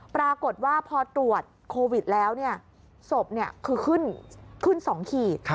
ปรากฏว่าพอตรวจโควิดแล้วศพคือขึ้น๒ขีด